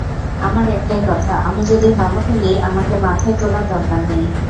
আমার একটাই কথা—আমি যদি ভালো খেলি, আমাকে মাথায় তোলার দরকার নেই।